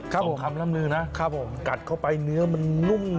คำล่ำลือนะครับผมกัดเข้าไปเนื้อมันนุ่ม